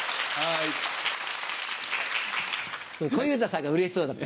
小遊三さんがうれしそうだった